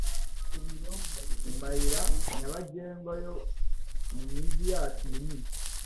mu mayira nyabagendwa yo mv migi yacu minini,